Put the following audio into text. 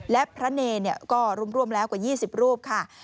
และพระเนรก็รวมแล้วกว่า๒๐รูปค่ะ